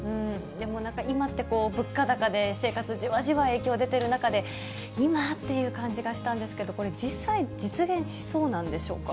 でもなんか今って物価高で、生活じわじわ影響出ている中で、今っていう感じがしたんですけど、これ、実際、実現しそうなんでしょうか。